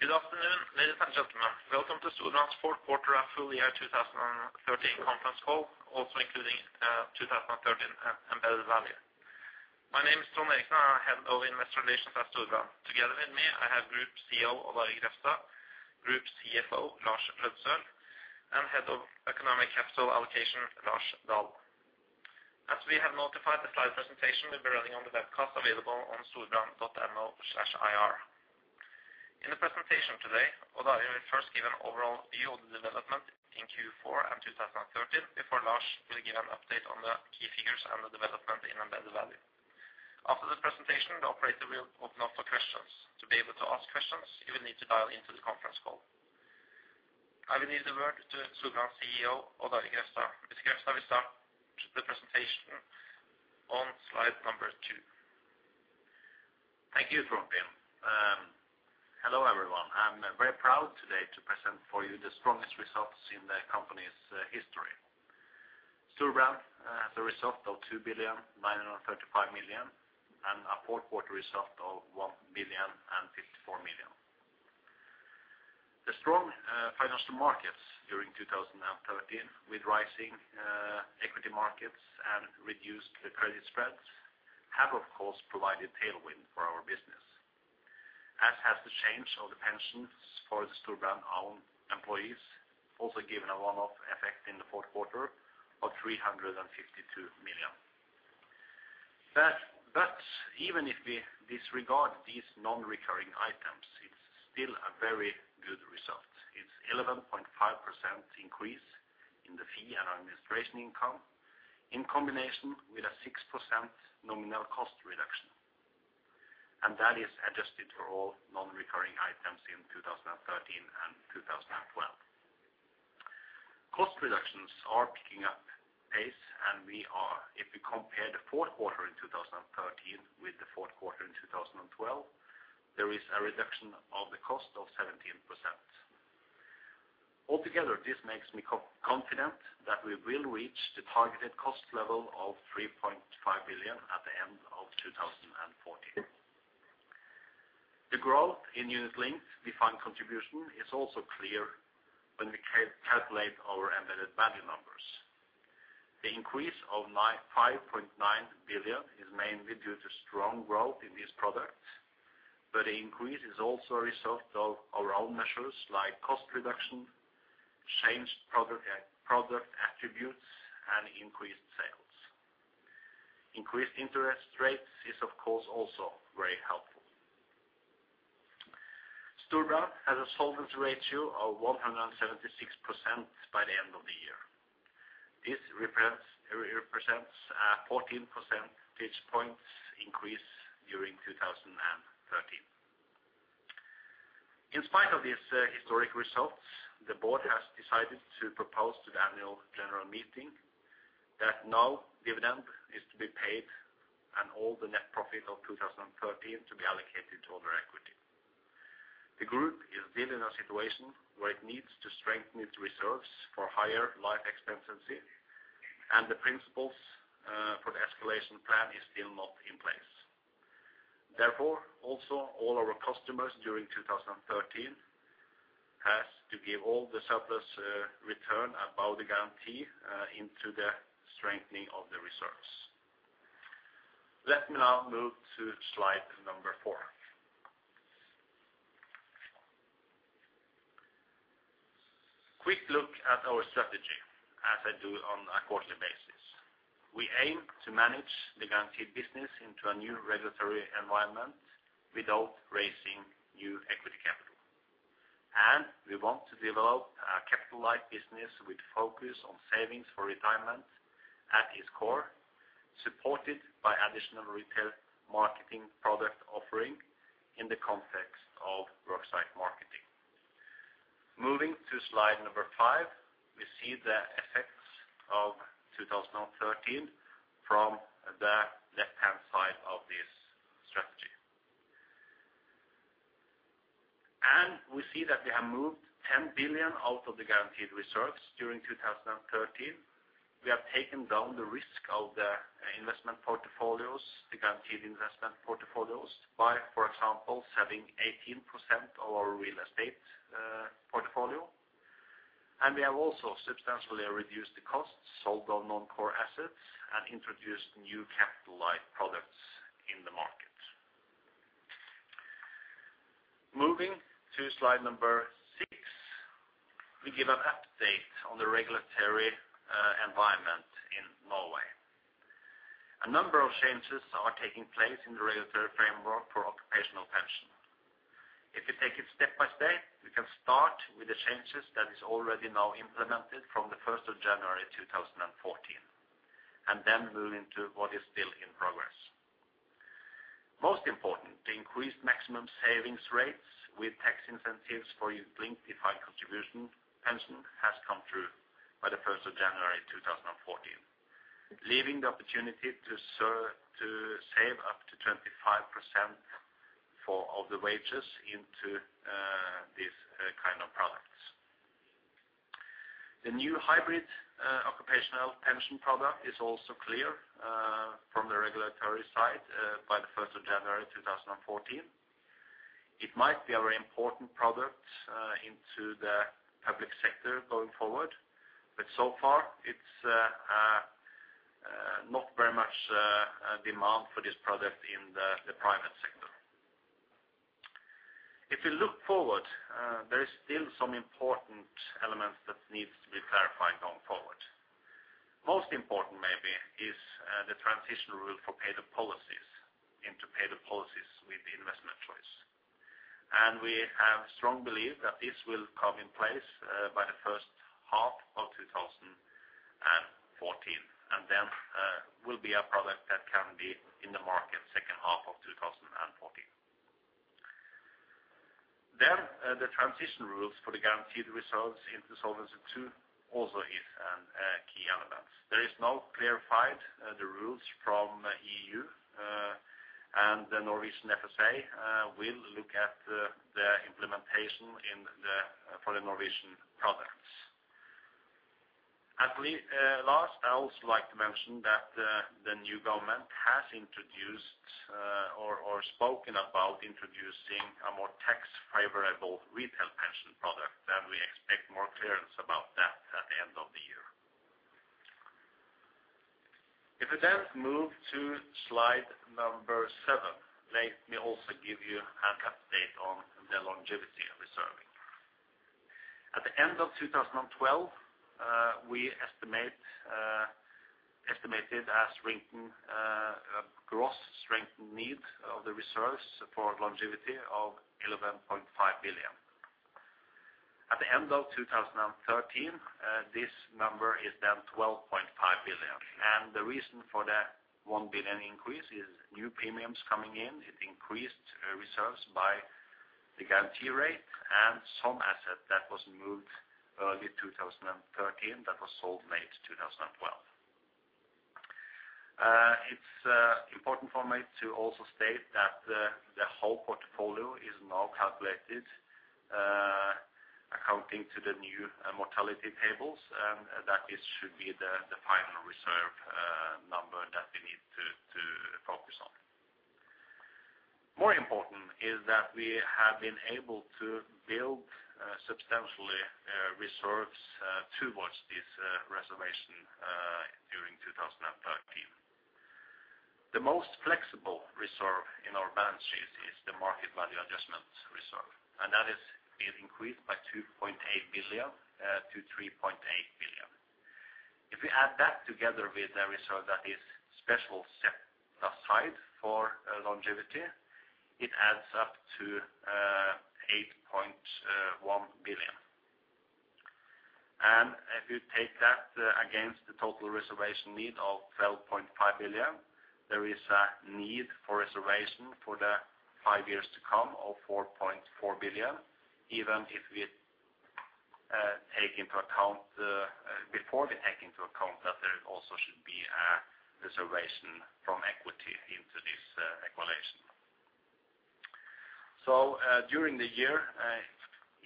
Good afternoon, ladies and gentlemen. Welcome to Storebrand's fourth quarter and full year 2013 conference call, also including 2013 Embedded Value. My name is Trond Finn Eriksen, and I'm Head of Investor Relations at Storebrand. Together with me, I have Group CEO Odd Arild Grefstad, Group CFO Lars Aasulv Løddesøl, and Head of Economic Capital Allocation Lars Dahl. As we have notified, the slide presentation will be running on the webcast available on storebrand.no/ir. In the presentation today, Odd Arild Grefstad will first give an overall view of the development in Q4 and 2013, before Lars will give an update on the key figures and the development in Embedded Value. After the presentation, the operator will open up for questions. To be able to ask questions, you will need to dial into the conference call. I will leave the word to Storebrand's CEO Odd Arild Grefstad. Mr. Grefstad will start the presentation on slide number two. Thank you, Trond. Hello, everyone. I'm very proud today to present for you the strongest results in the company's history. Storebrand has a result of 2,935 million, and a fourth quarter result of 1,054 million. The strong financial markets during 2013, with rising equity markets and reduced the credit spreads, have, of course, provided tailwind for our business. As has the change of the pensions for the Storebrand own employees, also given a one-off effect in the fourth quarter of 352 million. But even if we disregard these non-recurring items, it's still a very good result. It's 11.5% increase in the fee and administration income, in combination with a 6% nominal cost reduction. That is adjusted for all non-recurring items in 2013 and 2012. Cost reductions are picking up pace, and we are—if we compare the fourth quarter in 2013 with the fourth quarter in 2012, there is a reduction of the cost of 17%. Altogether, this makes me confident that we will reach the targeted cost level of 3.5 billion at the end of 2014. The growth in unit-linked defined contribution is also clear when we calculate our embedded value numbers. The increase of 5.9 billion is mainly due to strong growth in this product, but the increase is also a result of our own measures, like cost reduction, changed product attributes, and increased sales. Increased interest rates is, of course, also very helpful. Storebrand has a solvency ratio of 176% by the end of the year. This represents a 14 percentage points increase during 2013. In spite of these historic results, the board has decided to propose to the annual general meeting that no dividend is to be paid, and all the net profit of 2013 to be allocated to other equity. The group is still in a situation where it needs to strengthen its reserves for higher life expectancy, and the principles for the escalation plan is still not in place. Therefore, also, all our customers during 2013 has to give all the surplus return above the guarantee into the strengthening of the reserves. Let me now move to slide number 4. A quick look at our strategy, as I do on a quarterly basis. We aim to manage the guaranteed business into a new regulatory environment without raising new equity capital. We want to develop a capital light business with focus on savings for retirement at its core, supported by additional retail marketing product offering in the context of worksite marketing. Moving to slide number 5, we see the effects of 2013 from the left-hand side of this strategy. We see that we have moved 10 billion out of the guaranteed reserves during 2013. We have taken down the risk of the investment portfolios, the guaranteed investment portfolios, by, for example, selling 18% of our real estate portfolio. We have also substantially reduced the costs, sold our non-core assets, and introduced new capital light products in the market. Moving to slide number six, we give an update on the regulatory environment in Norway. A number of changes are taking place in the regulatory framework for occupational pension. If you take it step by step, we can start with the changes that is already now implemented from the first of January, 2014, and then move into what is still in progress. Most important, the increased maximum savings rates with tax incentives for linked defined contribution pension has come through by the first of January, 2014, leaving the opportunity to save up to 25% of the wages into this. The new hybrid occupational pension product is also clear from the regulatory side by the first of January, 2014. It might be a very important product into the public sector going forward, but so far, it's not very much demand for this product in the private sector. If you look forward, there is still some important elements that needs to be clarified going forward. Most important maybe is the transition rule for paid-up policies into paid-up policies with the investment choice. And we have strong belief that this will come in place by the first half of 2014, and then will be a product that can be in the market second half of 2014. Then the transition rules for the guaranteed results into Solvency II also is a key element. There is now clarified the rules from EU and the Norwegian FSA will look at the implementation for the Norwegian products. At last, I also like to mention that the new government has introduced or spoken about introducing a more tax-favorable retail pension product, and we expect more clearance about that at the end of the year. If we then move to slide number 7, let me also give you an update on the longevity reserving. At the end of 2012, we estimated a shrinking gross strengthening need of the reserves for longevity of 11.5 billion. At the end of 2013, this number is then 12.5 billion, and the reason for that 1 billion increase is new premiums coming in. It increased reserves by the guarantee rate and some asset that was moved early 2013, that was sold late 2012. It's important for me to also state that the whole portfolio is now calculated according to the new mortality tables, and that it should be the final reserve number that we need to focus on. More important is that we have been able to build substantially reserves towards this reservation during 2013. The most flexible reserve in our balance sheet is the market value adjustment reserve, and that is being increased by 2.8 billion to 3.8 billion. If you add that together with the reserve that is special set aside for longevity, it adds up to 8.1 billion. And if you take that against the total reservation need of 12.5 billion, there is a need for reservation for the five years to come of 4.4 billion, even if we take into account, before we take into account that there also should be a reservation from equity into this equalization. So, during the year,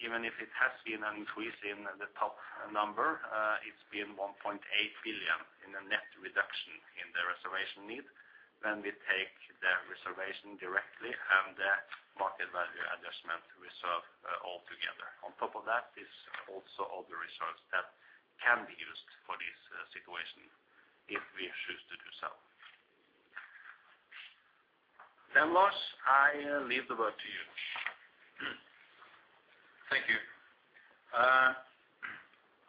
even if it has been an increase in the top number, it's been 1.8 billion in a net reduction in the reservation need when we take the reservation directly and the market value adjustment reserve altogether. On top of that is also all the reserves that can be used for this situation if we choose to do so. Then Lars, I leave the word to you. Thank you.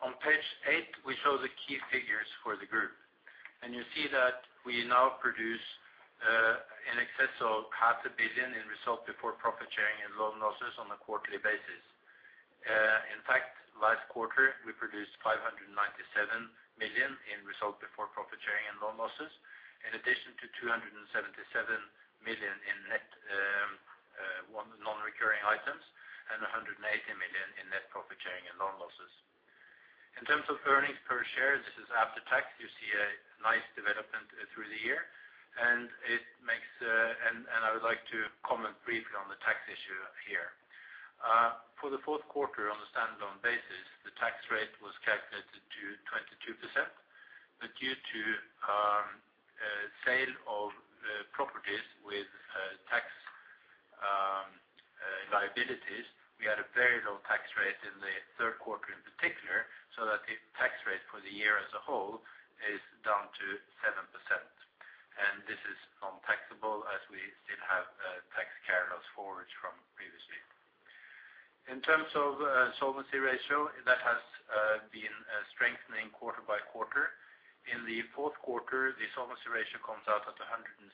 On page eight, we show the key figures for the group, and you see that we now produce in excess of 500 million in result before profit sharing and loan losses on a quarterly basis. In fact, last quarter, we produced 597 million in result before profit sharing and loan losses, in addition to 277 million in net non-recurring items, and 180 million in net profit sharing and loan losses. In terms of earnings per share, this is after tax, you see a nice development through the year, and it makes and I would like to comment briefly on the tax issue here. For the fourth quarter, on a standalone basis, the tax rate was calculated to 22%, but due to sale of properties with tax liabilities, we had a very low tax rate in the third quarter in particular, so that the tax rate for the year as a whole is down to 7%. And this is untaxable, as we still have tax loss carryforwards from previously. In terms of solvency ratio, that has been strengthening quarter by quarter. In the fourth quarter, the solvency ratio comes out at 176.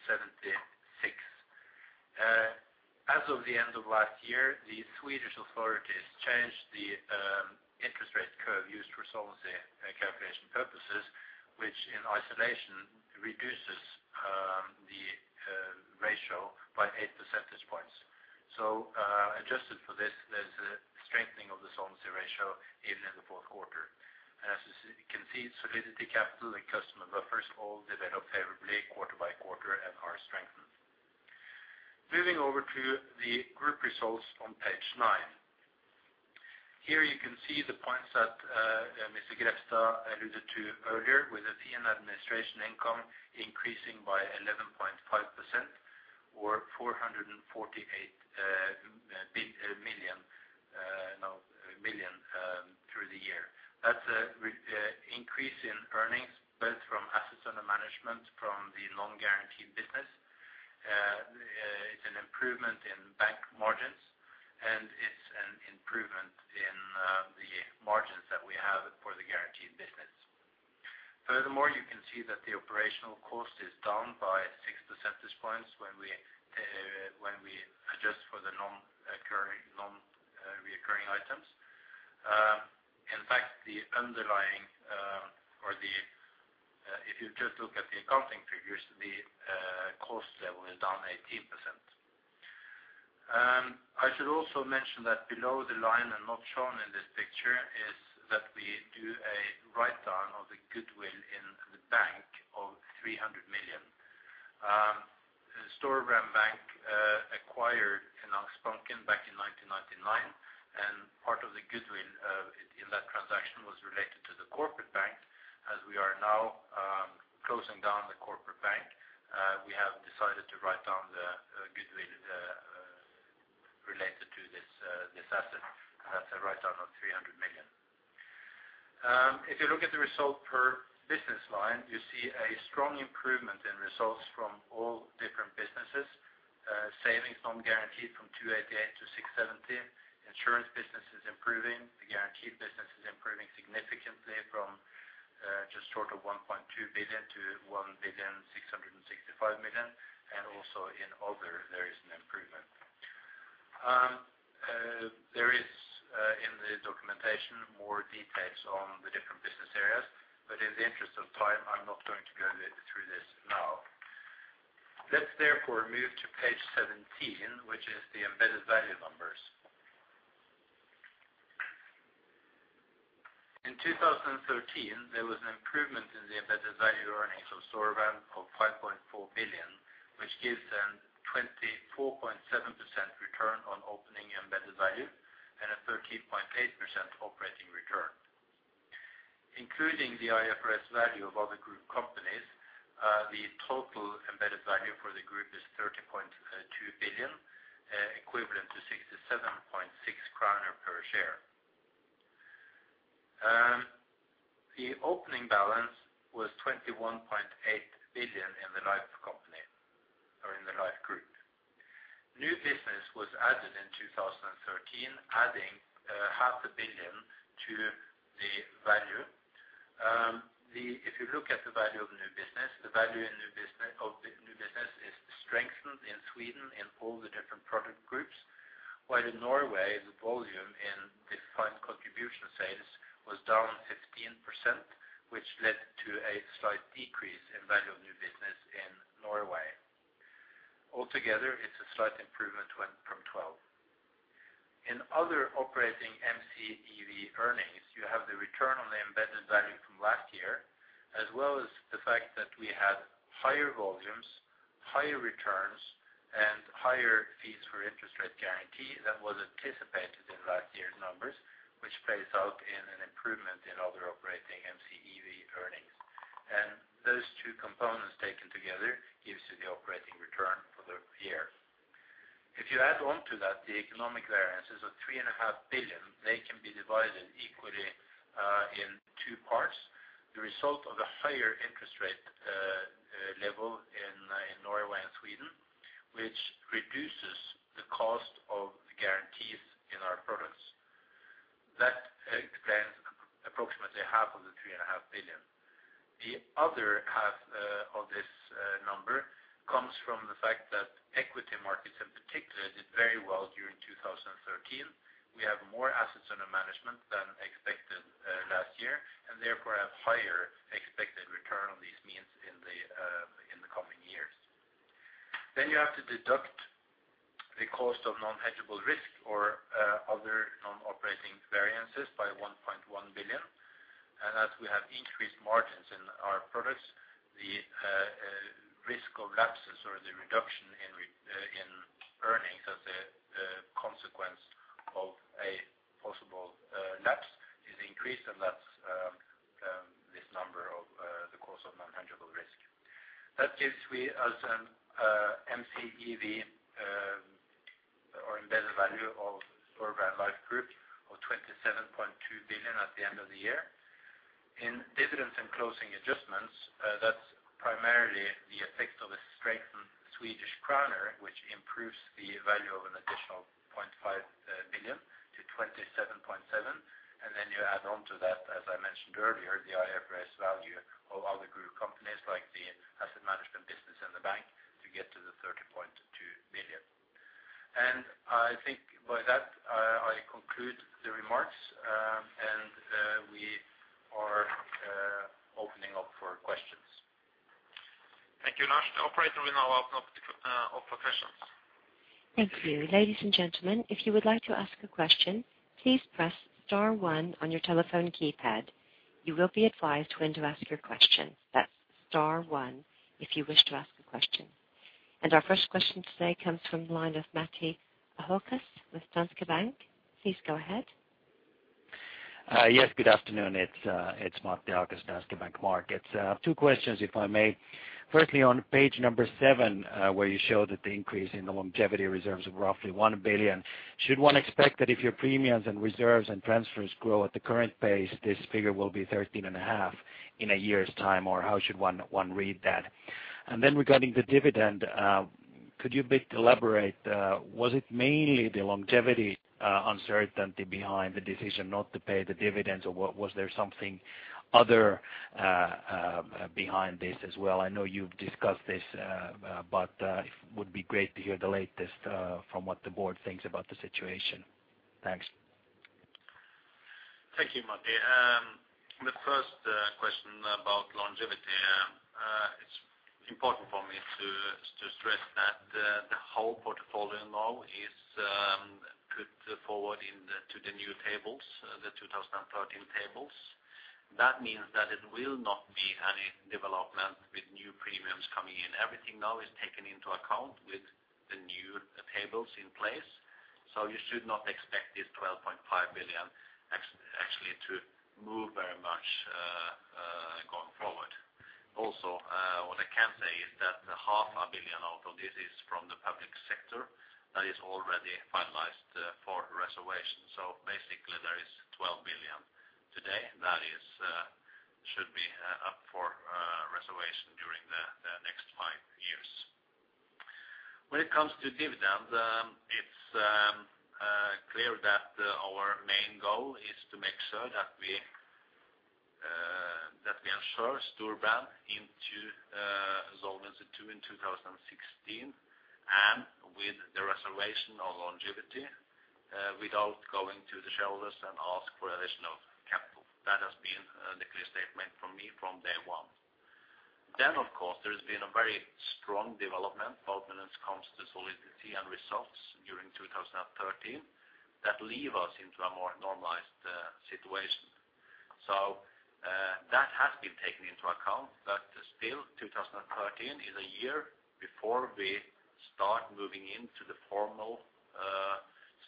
As of the end of last year, the Swedish authorities changed the interest rate curve used for solvency calculation purposes, which in isolation reduces the ratio by eight percentage points. Adjusted for this, there's a strengthening of the solvency ratio even in the fourth quarter. As you can see, solidity capital and customer buffers all develop favorably quarter by quarter and are strengthened. Moving over to the group results on page nine. Here you can see the points that, Mr. Grefstad alluded to earlier, with the fee and administration income increasing by 11.5% or 448 million through the year. That's an increase in earnings, both from assets under management from the non-guaranteed business. It's an improvement in bank margins, and it's an improvement in the margins that we have for the guaranteed business. Furthermore, you can see that the operational cost is down by 6% at this point when we adjust for the non-occurring, non-reoccurring items. In fact, the underlying, or the, if you just look at the accounting figures, the cost level is down 18%. I should also mention that below the line and not shown in this picture, is that we do a write-down of the goodwill in the bank of 300 million. Storebrand Bank acquired Finansbanken back in 1999, and part of the goodwill in that transaction was related to the corporate bank. As we are now closing down the corporate bank, we have decided to write down the goodwill related to this asset, and that's a write-down of 300 million. If you look at the result per business line, you see a strong improvement in results from all different businesses. Savings, non-guaranteed from 288 million-670 million. Insurance business is improving. The guaranteed business is improving significantly from just short of 1.2 billion-1.665 billion, and also in other, there is an improvement. There is, in the documentation, more details on the different business areas, but in the interest of time, I'm not going to go through this now. Let's therefore move to page 17, which is the embedded value numbers. In 2013, there was an improvement in the embedded value earnings of Storebrand of 5.4 billion, which gives them 24.7% return on opening embedded value and a 13.8% operating return. Including the IFRS value of other group companies, the total embedded value for the group is 13.2 billion, equivalent to 67.6 kroner per share. The opening balance was 21.8 billion in the life company or in the life group. New business was added in 2013, adding 0.5 billion to the value. If you look at the value of new business, the value in new business, of the new business is strengthened in Sweden in all the different product groups, while in Norway, the volume in defined contribution sales was down 15%, which led to a slight decrease in value of new business in Norway. Altogether, it's a slight improvement went from 12. In other operating MCEV earnings, you have the return on the embedded value from last year, as well as the fact that we had higher volumes, higher returns, and higher fees for interest rate guarantee than was anticipated in last year's numbers, which plays out in an improvement in other operating MCEV earnings. And those two components taken together gives you the operating return for the year. If you add on to that, the economic variances of 3.5 billion, they can be divided equally in two parts. The result of the higher interest rate level in Norway and Sweden, which reduces the cost of the guarantees in our products. That explains approximately half of the 3.5 billion. The other half of this number comes from the fact that equity markets, in particular, did very well during 2013. We have more assets under management than expected last year, and therefore have higher expected return on these means in the coming years. Then you have to deduct the cost of non-hedgeable risk or other non-operating variances by 1.1 billion. And as we have increased margins in our products, the risk of lapses or the reduction in earnings as a consequence of a possible lapse is increased, and that's this number of the cost of non-hedgeable risk. That gives us an MCEV or embedded value of Storebrand Life Group of 27.2 billion at the end of the year. In dividends and closing adjustments, that's primarily the effect of a strengthened Swedish kroner, which improves the value of an additional 0.5 billion to 27.7 billion. And then you add on to that, as I mentioned earlier, the IFRS value of other group companies like the asset management business and the bank, to get to the 30.2 billion. And I think by that, I conclude the remarks, and we are opening up for questions. Thank you, Lars. The operator will now open up for questions. Thank you. Ladies and gentlemen, if you would like to ask a question, please press star one on your telephone keypad.... You will be advised when to ask your question. That's star one, if you wish to ask a question. Our first question today comes from the line of Matti Ahokas with Danske Bank. Please go ahead. Yes, good afternoon. It's Matti Ahokas, Danske Bank Markets. Two questions, if I may. Firstly, on page 7, where you show that the increase in the longevity reserves of roughly 1 billion, should one expect that if your premiums and reserves and transfers grow at the current pace, this figure will be 13.5 billion in a year's time, or how should one read that? And then regarding the dividend, could you elaborate, was it mainly the longevity uncertainty behind the decision not to pay the dividends, or was there something other behind this as well? I know you've discussed this, but it would be great to hear the latest from what the board thinks about the situation. Thanks. Thank you, Matti. The first question about longevity. It's important for me to stress that the whole portfolio now is put forward to the new tables, the 2013 tables. That means that it will not be any development with new premiums coming in. Everything now is taken into account with the new tables in place, so you should not expect this 12.5 billion actually, actually to move very much going forward. Also, what I can say is that 500 million out of this is from the public sector. That is already finalized for reservation. Basically, there is 12 billion today that should be up for reservation during the next five years. When it comes to dividends, it's clear that our main goal is to make sure that we ensure Storebrand into Solvency II in 2016, and with the reservation of longevity without going to the shareholders and ask for additional capital. That has been the clear statement from me from day one. Then, of course, there has been a very strong development when it comes to solidity and results during 2013, that leave us into a more normalized situation. So, that has been taken into account, but still, 2013 is a year before we start moving into the formal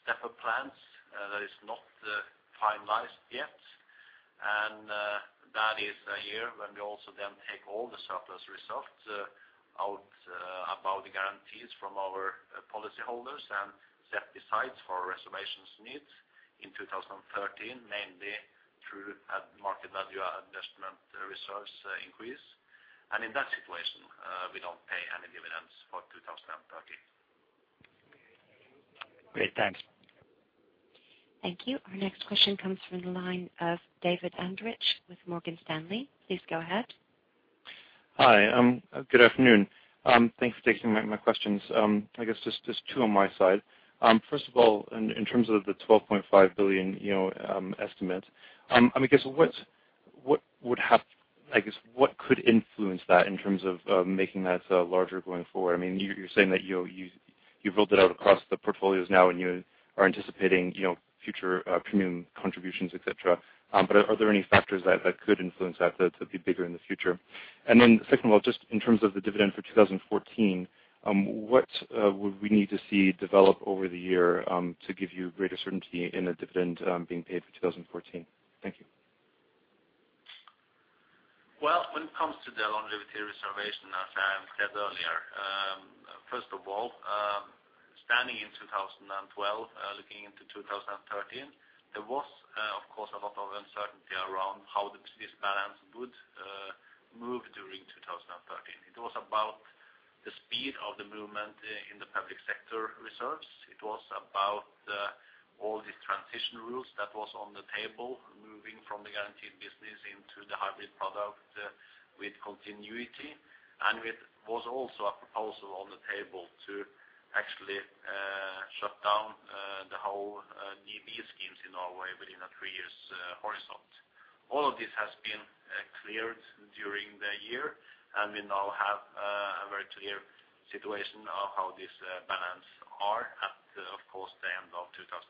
step-up plans. That is not finalized yet. That is a year when we also then take all the surplus results out above the guarantees from our policyholders and set aside for reservation needs. In 2013, mainly through a market value adjustment reserves increase. In that situation, we don't pay any dividends for 2013. Great, thanks. Thank you. Our next question comes from the line of David Andrich with Morgan Stanley. Please go ahead. Hi, good afternoon. Thanks for taking my questions. I guess just two on my side. First of all, in terms of the 12.5 billion estimate, you know, I mean, I guess what could influence that in terms of making that larger going forward? I mean, you're saying that, you know, you've rolled it out across the portfolios now, and you are anticipating, you know, future premium contributions, et cetera. But are there any factors that could influence that to be bigger in the future? Secondly, just in terms of the dividend for 2014, what would we need to see develop over the year to give you greater certainty in a dividend being paid for 2014? Thank you. Well, when it comes to the longevity reservation, as I said earlier, first of all, standing in 2012, looking into 2013, there was, of course, a lot of uncertainty around how this balance would move during 2013. It was about the speed of the movement in the public sector reserves. It was about all the transition rules that was on the table, moving from the guaranteed business into the hybrid product with continuity. And it was also a proposal on the table to actually shut down the whole DB schemes in Norway within a three year horizon. All of this has been cleared during the year, and we now have a very clear situation of how this balance are at, of course, the end of 2013.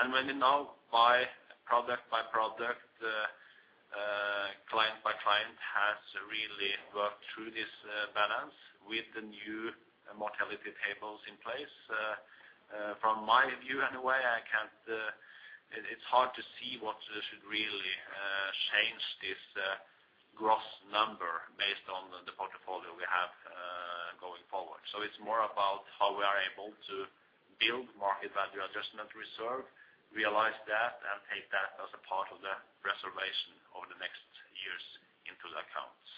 And when we now buy product by product, client by client, has really worked through this balance with the new mortality tables in place. From my view, anyway, I can't... It, it's hard to see what should really change this gross number based on the portfolio we have going forward. So it's more about how we are able to build market value adjustment reserve, realize that, and take that as a part of the reservation over the next years into the accounts.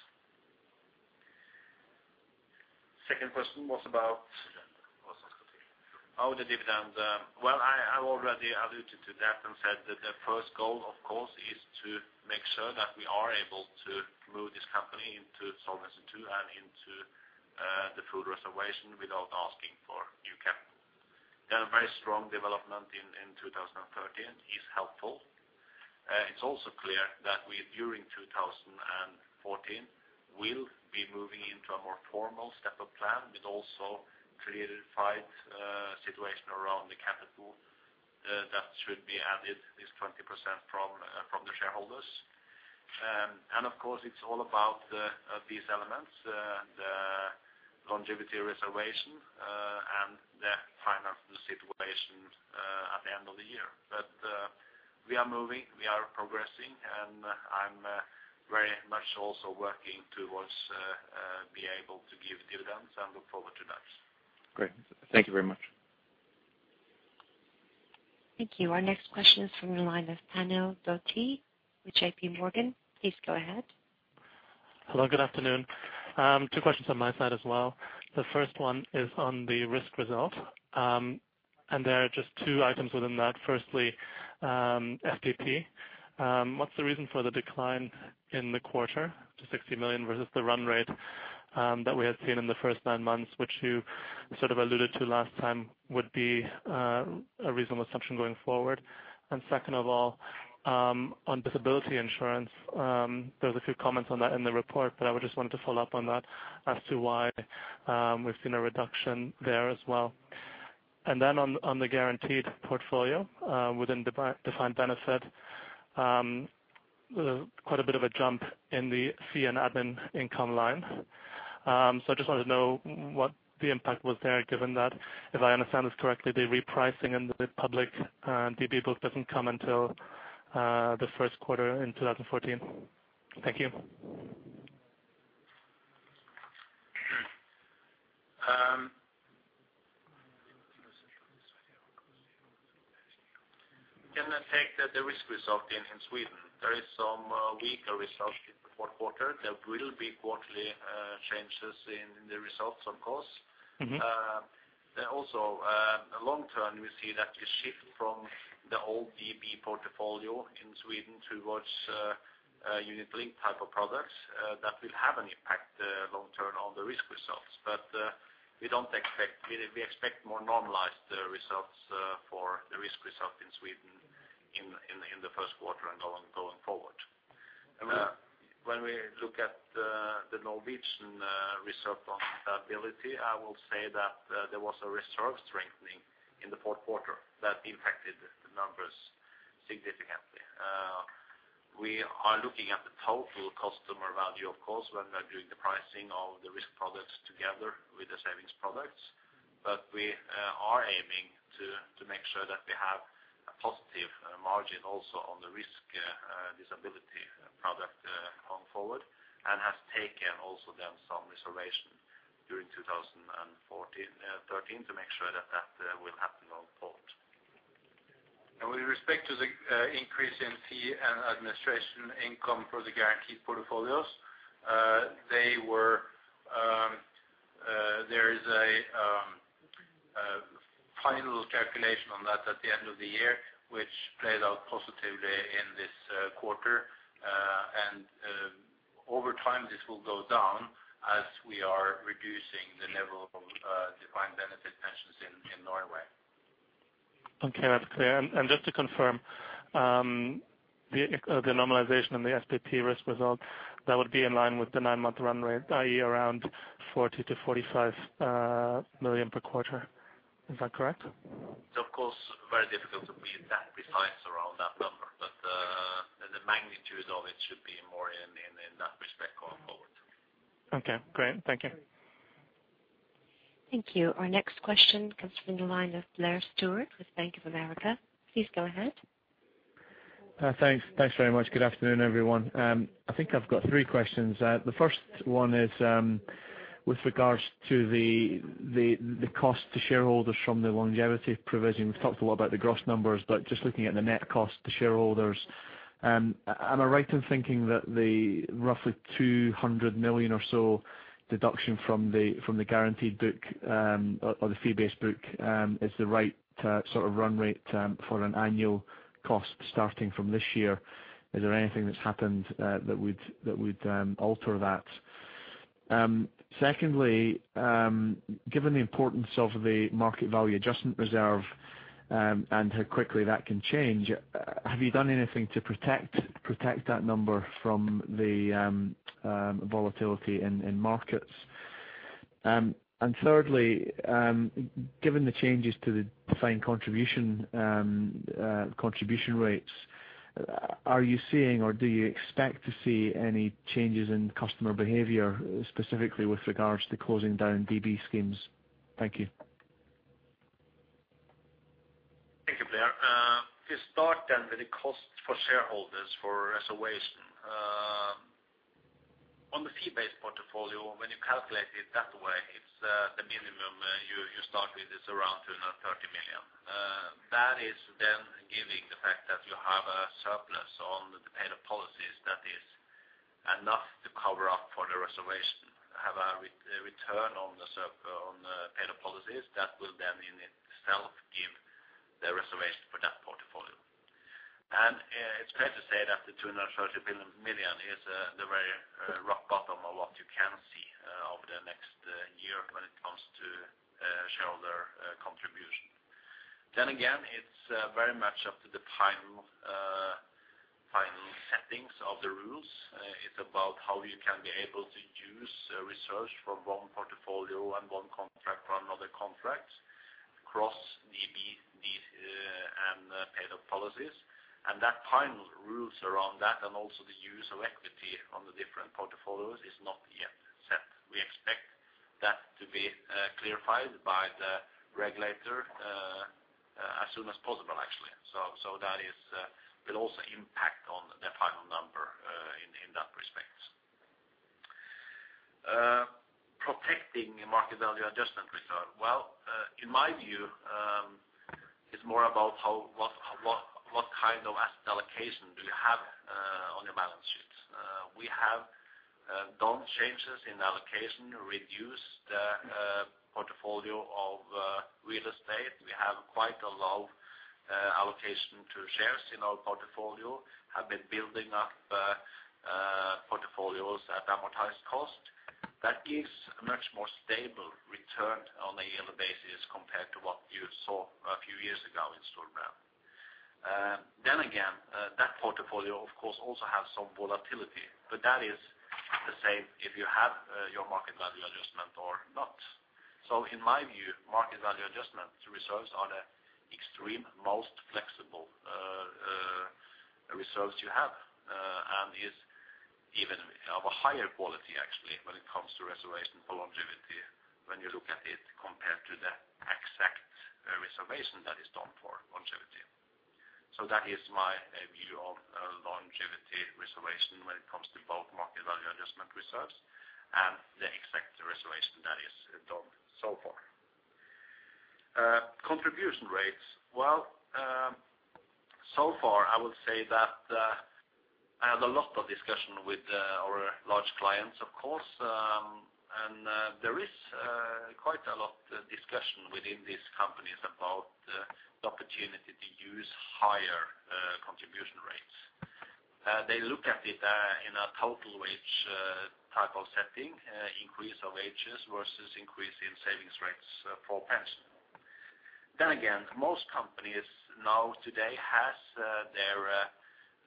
Second question was about? How the dividend... Well, I've already alluded to that and said that the first goal, of course, is to make sure that we are able to move this company into Solvency II and into the full reservation without asking for new capital. The very strong development in 2013 is helpful. It's also clear that we, during 2014, we'll be moving into a more formal step-up plan, with also clarified situation around the capital that should be added is 20% from the shareholders. And of course, it's all about these elements, the longevity reservation, and the financial situation at the end of the year. But we are moving, we are progressing, and I'm very much also working towards be able to give dividends and look forward to that. Great, thank you very much. Thank you. Our next question is from the line of Pankaj Doshi with J.P. Morgan. Please go ahead. Hello, good afternoon. Two questions on my side as well. The first one is on the risk result, and there are just two items within that. Firstly, SPP. What's the reason for the decline in the quarter to 60 million versus the run rate, that we had seen in the first nine months, which you sort of alluded to last time, would be, a reasonable assumption going forward? And second of all, on disability insurance, there was a few comments on that in the report, but I just wanted to follow up on that as to why, we've seen a reduction there as well. And then on, on the guaranteed portfolio, within defined benefit, quite a bit of a jump in the fee and admin income line. I just wanted to know what the impact was there, given that, if I understand this correctly, the repricing in the public DB book doesn't come until the first quarter in 2014. Thank you. Can I take the risk result in Sweden? There is some weaker result in the fourth quarter. There will be quarterly changes in the results, of course. Mm-hmm. Then also, long term, we see that the shift from the old DB portfolio in Sweden towards a unit link type of products that will have an impact, long term, on the risk results. But we don't expect... We expect more normalized results for the risk result in Sweden in the first quarter and going forward. And when we look at the Norwegian reserve on stability, I will say that there was a reserve strengthening in the fourth quarter that impacted the numbers significantly. We are looking at the total customer value, of course, when we are doing the pricing of the risk products together with the savings products. But we are aiming to make sure that we have a positive margin also on the risk disability product going forward, and has taken also then some reservation during 2014, 2013, to make sure that that will happen on port. And with respect to the increase in fee and administration income for the guaranteed portfolios, they were there is a final calculation on that at the end of the year, which played out positively in this quarter. And over time, this will go down as we are reducing the level of defined benefit pensions in Norway. Okay, that's clear. And just to confirm, the normalization in the SPP risk result, that would be in line with the nine-month run rate, i.e., around 40-45 million per quarter. Is that correct? It's of course very difficult to be that precise around that number, but the magnitude of it should be more in that respect going forward. Okay, great. Thank you. Thank you. Our next question comes from the line of Blair Stewart with Bank of America. Please go ahead. Thanks very much. Good afternoon, everyone. I think I've got three questions. The first one is, with regards to the cost to shareholders from the longevity provision. We've talked a lot about the gross numbers, but just looking at the net cost to shareholders, am I right in thinking that the roughly 200 million or so deduction from the guaranteed book or the fee-based book is the right sort of run rate for an annual cost starting from this year? Is there anything that's happened that would alter that? Secondly, given the importance of the market value adjustment reserve and how quickly that can change, have you done anything to protect that number from the volatility in markets? And thirdly, given the changes to the defined contribution contribution rates, are you seeing or do you expect to see any changes in customer behavior, specifically with regards to closing down DB schemes? Thank you. Thank you, Blair. To start then, with the cost for shareholders for reservation, on the fee-based portfolio, when you calculate it that way, it's the, the minimum you start with is around 230 million. That is then giving the fact that you have a surplus on the paid-up policies, that is enough to cover up for the reservation, have a return on the surplus on the paid-up policies. That will then in itself give the reservation for that portfolio. It's fair to say that the 230 million is the very, rough-... Then again, it's very much up to the final, final settings of the rules. It's about how you can be able to use research from one portfolio and one contract from another contract across DB, these, and pay the policies. That final rules around that, and also the use of equity on the different portfolios is not yet set. We expect that to be clarified by the regulator as soon as possible, actually. That will also impact on the final number in that respect. Protecting market value adjustment reserve. Well, in my view, it's more about what kind of asset allocation do you have on your balance sheets? We have done changes in allocation, reduced portfolio of real estate. We have quite a low allocation to shares in our portfolio, have been building up portfolios at amortized cost. That gives a much more stable return on a yearly basis compared to what you saw a few years ago in Storebrand. Then again, that portfolio, of course, also has some volatility, but that is the same if you have your market value adjustment or not. So in my view, market value adjustment reserves are the extreme, most flexible reserves you have, and is even of a higher quality, actually, when it comes to reservation for longevity, when you look at it compared to the exact reservation that is done for longevity. So that is my view of longevity reservation when it comes to both market value adjustment reserves and the exact reservation that is done so far. Contribution rates. Well, so far, I would say that I had a lot of discussion with our large clients, of course, and there is quite a lot discussion within these companies about the opportunity to use higher contribution rates. They look at it in a total wage type of setting, increase of wages versus increase in savings rates for pension. Then again, most companies now today has their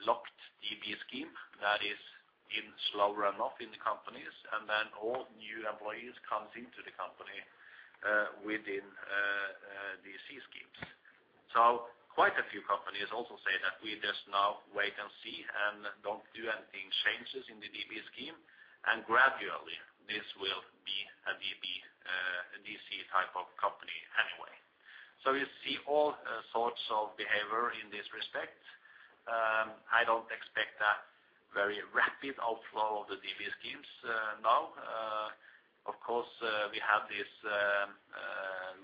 locked DB scheme that is in slow run off in the companies, and then all new employees comes into the company within DC schemes. So quite a few companies also say that we just now wait and see and don't do anything, changes in the DB scheme, and gradually this will be a DB, DC type of company anyway. So you see all sorts of behavior in this respect. I don't expect a very rapid outflow of the DB schemes, now. Of course, we have this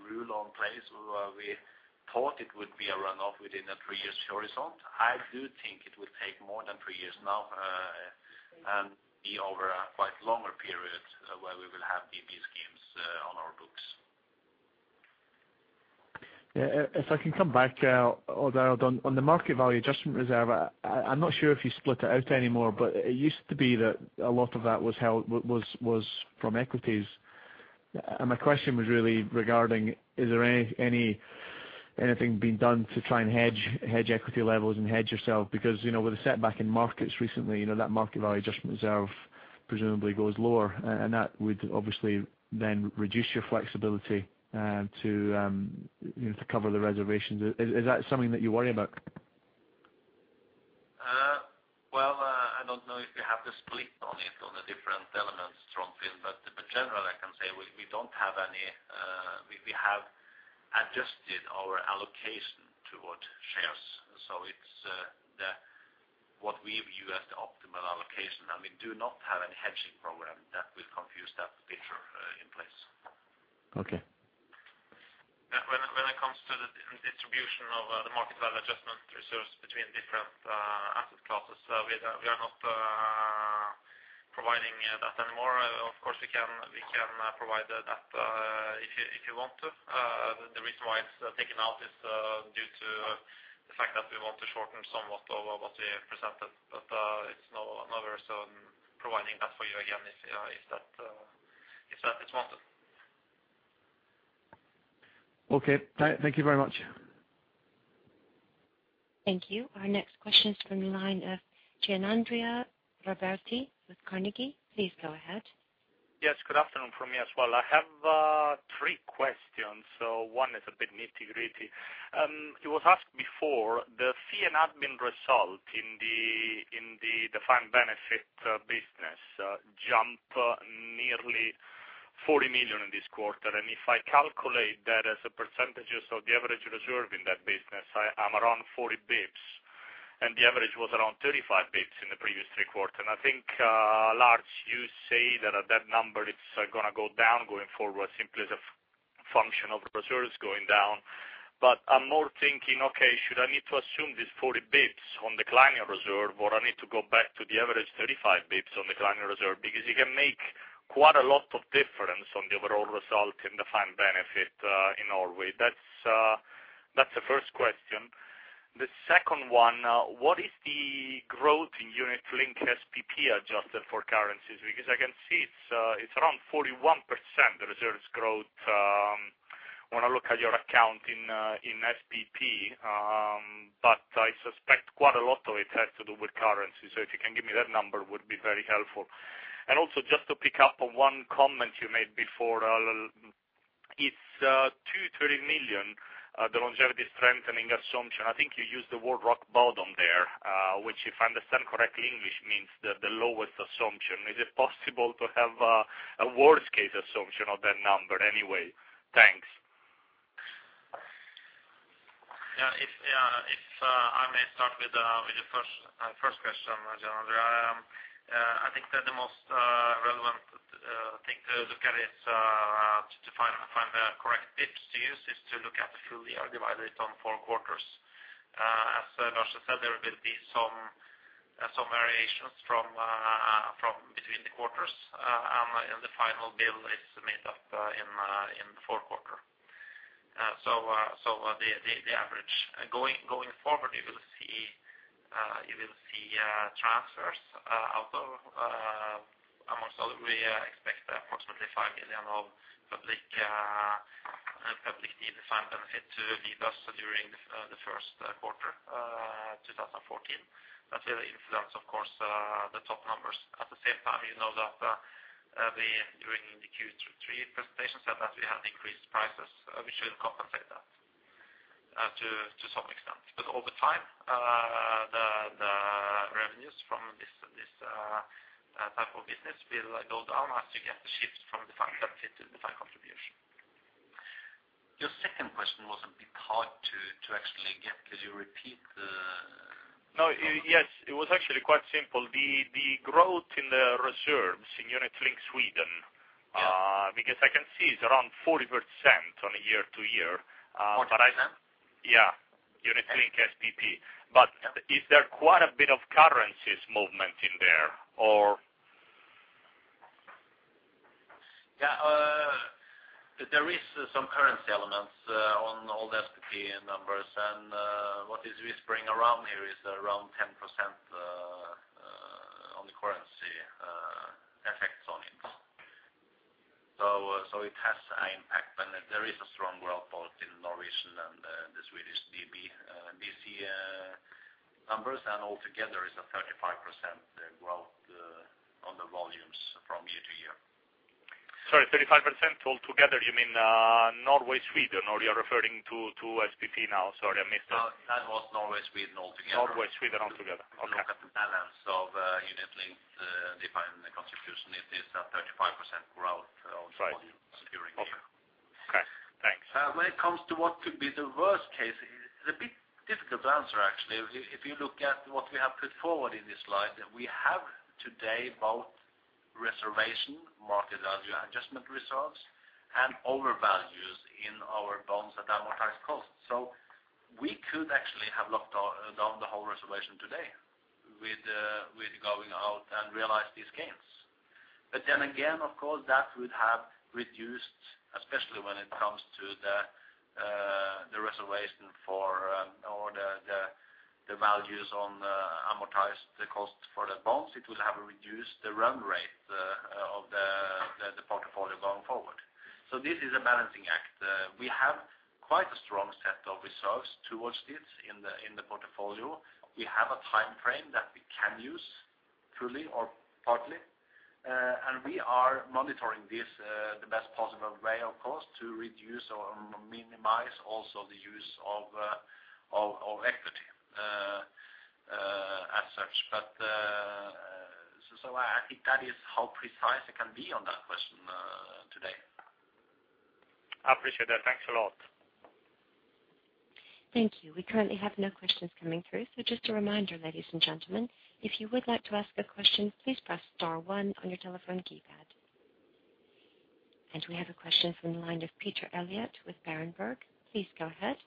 rule in place where we thought it would be a runoff within a three years horizon. I do think it will take more than three years now, and be over a quite longer period, where we will have DB schemes, on our books. Yeah, if I can come back, Odd Arild, on the market value adjustment reserve, I'm not sure if you split it out anymore, but it used to be that a lot of that was held, was from equities. And my question was really regarding, is there anything being done to try and hedge equity levels and hedge yourself? Because, you know, with a setback in markets recently, you know, that market value adjustment reserve presumably goes lower, and that would obviously then reduce your flexibility, to, you know, to cover the reservations. Is that something that you worry about? Well, I don't know if you have the split on it, on the different elements from Finn, but generally, I can say we don't have any, we have adjusted our allocation toward shares. So it's what we view as the optimal allocation, and we do not have any hedging program that will confuse that picture in place. Okay. Yeah, when it comes to the distribution of the market value adjustment reserves between different asset classes, we are not providing that anymore. Of course, we can provide that if you want to. The reason why it's taken out is due to the fact that we want to shorten somewhat of what we presented, but it's no reason providing that for you again, if that is wanted. Okay. Thank you very much. Thank you. Our next question is from the line of Gianandrea Roberti with Carnegie. Please go ahead. Yes, good afternoon from me as well. I have three questions. So one is a bit nitty-gritty. It was asked before, the fee and admin result in the, in the defined benefit business, jumped nearly 40 million in this quarter. And if I calculate that as a percentage of the average reserve in that business, I, I'm around 40 bips, and the average was around 35 bips in the previous three quarters. And I think, Lars, you say that, that number, it's gonna go down going forward simply as a function of reserves going down. But I'm more thinking, okay, should I need to assume this 40 bips on declining reserve, or I need to go back to the average 35 bips on declining reserve? Because you can make quite a lot of difference on the overall result in defined benefit in Norway. That's the first question. The second one, what is the growth in unit link SPP adjusted for currencies? Because I can see it's around 41%, the reserves growth, when I look at your account in in SPP, but I suspect quite a lot of it has to do with currency. So if you can give me that number, would be very helpful. And also, just to pick up on one comment you made before, it's two thirty million, the longevity strengthening assumption. I think you used the word rock bottom there, which, if I understand correctly, English means the lowest assumption. Is it possible to have a worst-case assumption of that number anyway? Thanks. Yeah, if I may start with the first question, Gianandrea. I think that the most relevant thing to look at is to find the correct bits to use, is to look at full year, divide it on four quarters. As Lars said, there will be some variations from between the quarters, and the final bill is made up in the fourth quarter. So the average. Going forward, you will see transfers, although amongst other, we expect approximately 5 million of public defined benefit to leave us during the first quarter, 2014. That will influence, of course, the top numbers. At the same time, you know that, during the Q3 presentation, said that we have increased prices, which will compensate that, to some extent. But over time, the revenues from this type of business will go down as you get the shifts from defined benefit to defined contribution. Your second question was a bit hard to actually get. Could you repeat the- No, yes, it was actually quite simple. The growth in the reserves in unit-linked Sweden. Yeah. because I can see it's around 40% on a year-over-year, but I- Forty percent? Yeah, Unit-Linked SPP. Yeah. Is there quite a bit of currency movement in there, or? Yeah, there is some currency elements on all the SPP numbers, and what is whispering around here is around 10% on the currency effects on it. So, it has an impact, but there is a strong growth both in the Norwegian and the Swedish DB, DC numbers, and altogether, it's a 35% growth on the volumes from year to year. Sorry, 35% altogether, you mean, Norway, Sweden, or you're referring to, to SPP now? Sorry, I missed that. No, that was Norway, Sweden, altogether. Norway, Sweden, altogether. Okay. Look at the balance of unit-linked defined contribution. It is a 35% growth- Right. during the year. Okay. Okay, thanks. When it comes to what could be the worst case, it's a bit difficult to answer, actually. If you, if you look at what we have put forward in this slide, we have today both reservation, market value adjustment reserves, and overvalues in our bonds at amortized costs. So we could actually have locked down the whole reservation today with, with going out and realize these gains. But then again, of course, that would have reduced, especially when it comes to the, the reservation for, or the, the, the values on, amortized, the cost for the bonds, it would have reduced the run rate, of the, the, the portfolio going forward. So this is a balancing act. We have quite a strong set of results towards this in the, in the portfolio. We have a time frame that we can use, fully or partly, and we are monitoring this, the best possible way, of course, to reduce or minimize also the use of equity, as such. But. So, I think that is how precise it can be on that question, today. I appreciate that. Thanks a lot. Thank you. We currently have no questions coming through. So just a reminder, ladies and gentlemen, if you would like to ask a question, please press star one on your telephone keypad. And we have a question from the line of Peter Elliott with Berenberg. Please go ahead.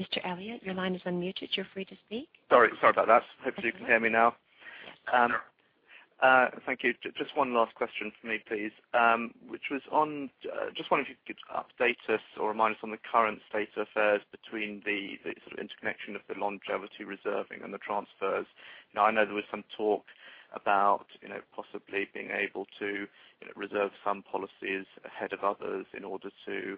Mr. Elliott, your line is unmuted. You're free to speak. Sorry, sorry about that. Hopefully, you can hear me now. Yes. Thank you. Just one last question for me, please, which was on... Just wondering if you could update us or remind us on the current state of affairs between the, the sort of interconnection of the longevity reserving and the transfers. Now, I know there was some talk about, you know, possibly being able to reserve some policies ahead of others in order to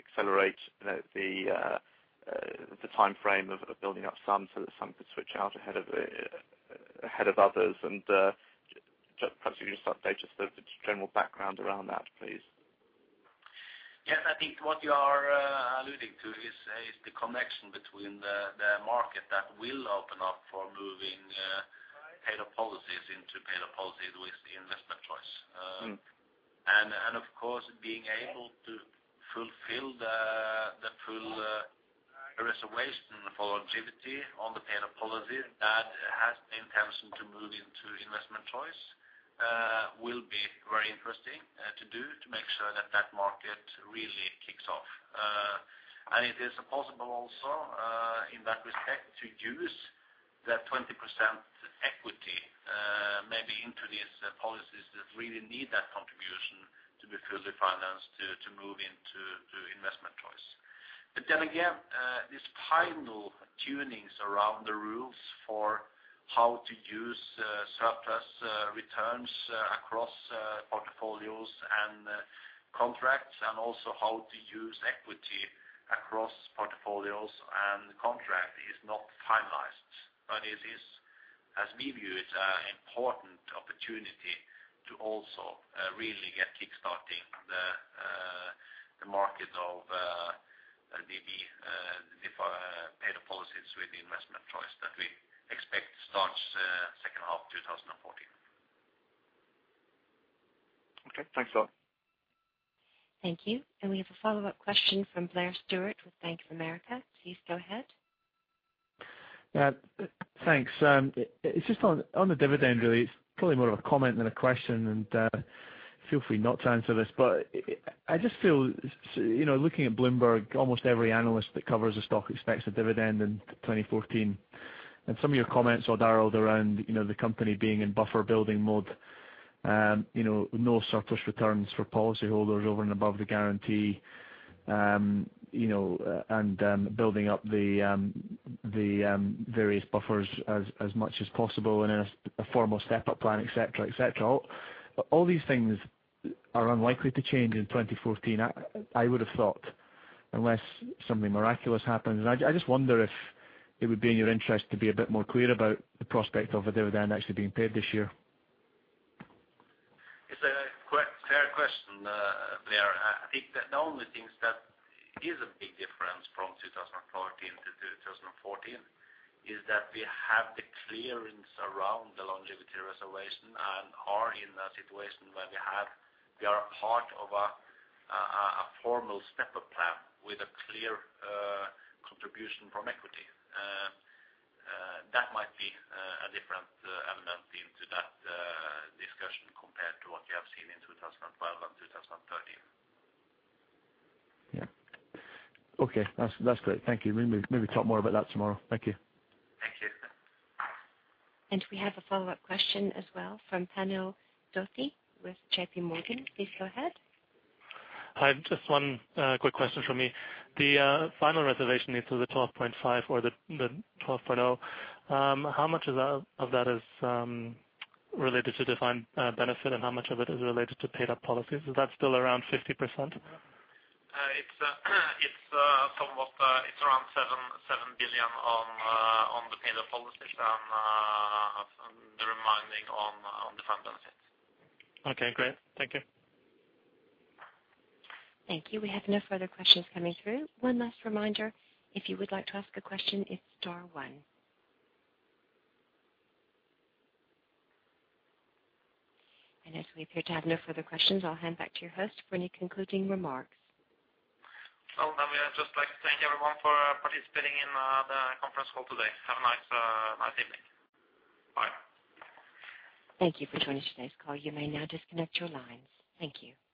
accelerate, you know, the time frame of building up some, so that some could switch out ahead of ahead of others. And just perhaps you could just update us the general background around that, please. Yes, I think what you are alluding to is the connection between the market that will open up for moving paid-up policies into paid-up policies with the investment choice. Mm. Of course, being able to fulfill the full reservation for longevity on the paid-up policy that has the intention to move into investment choice will be very interesting to do to make sure that that market really kicks off. And it is possible also, in that respect, to use the 20% equity the policies that really need that contribution to be fully financed to move into investment choice. But then again, this final tunings around the rules for how to use surplus returns across portfolios and contracts, and also how to use equity across portfolios and contract is not finalized. But it is, as we view it, important opportunity to also really get kick-starting the market of maybe if paid-up policies with the investment choice that we expect starts second half 2014. Okay, thanks a lot. Thank you. We have a follow-up question from Blair Stewart with Bank of America. Please go ahead. Thanks. It's just on the dividend really, it's probably more of a comment than a question, and feel free not to answer this. But I just feel, you know, looking at Bloomberg, almost every analyst that covers the stock expects a dividend in 2014. And some of your comments, Oddvar, around, you know, the company being in buffer building mode, you know, no surplus returns for policyholders over and above the guarantee. You know, and building up the various buffers as much as possible in a formal step-up plan, et cetera, et cetera. All these things are unlikely to change in 2014, I would have thought, unless something miraculous happens. I just wonder if it would be in your interest to be a bit more clear about the prospect of a dividend actually being paid this year. It's a quite fair question, Blair. I think the only things that is a big difference from 2013 to 2014 is that we have the clearance around the longevity reservation and are in a situation where we are part of a formal step-up plan with a clear contribution from equity. That might be a different element into that discussion compared to what you have seen in 2012 and 2013. Yeah. Okay, that's, that's great. Thank you. Maybe, maybe talk more about that tomorrow. Thank you. Thank you. We have a follow-up question as well from Pankaj Doshi with J.P. Morgan. Please go ahead. Hi, just one quick question from me. The final reservation into the 12.5 or the 12.0, how much of that, of that is related to defined benefit, and how much of it is related to paid up policies? Is that still around 50%? It's somewhat around NOK 77 billion on the paid-up policies, the remaining on the front benefit. Okay, great. Thank you. Thank you. We have no further questions coming through. One last reminder, if you would like to ask a question, it's star one. And as we appear to have no further questions, I'll hand back to your host for any concluding remarks. Well, then we just like to thank everyone for participating in the conference call today. Have a nice, nice evening. Bye. Thank you for joining today's call. You may now disconnect your lines. Thank you.